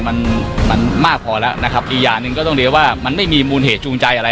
มันมันมากพอแล้วนะครับอีกอย่างหนึ่งก็ต้องเรียกว่ามันไม่มีมูลเหตุจูงใจอะไร